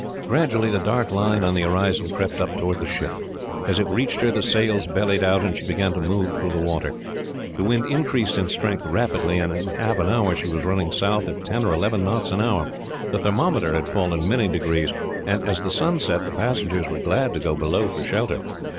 Gradually the dark line on the horizon crept up towards the ship. As it reached her the sails bellied out, and she began to move through the water. The wind increased in strength rapidly, and in half an hour she was running south at ten or eleven knots an hour. The thermometer had fallen many degrees, and as the sun set, the passengers were glad to go below for shelter.